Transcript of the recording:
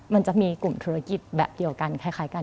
มันจะมีกลุ่มธุรกิจแบบเดียวกันคล้ายกัน